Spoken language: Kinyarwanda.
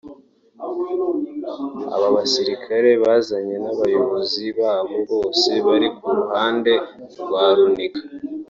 Aba basirikare bazanye n’abayobozi babo bose bari ku ruhande rwa Runiga